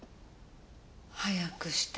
早くして。